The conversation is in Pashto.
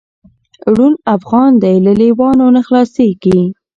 ړوند افغان دی له لېوانو نه خلاصیږي